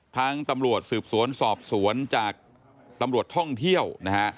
ตำรวจสืบสวนสอบสวนจากตำรวจท่องเที่ยวนะฮะ